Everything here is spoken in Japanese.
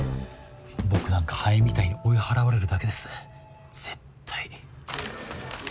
僕なんかはえみたいに追い払われるだけです絶対。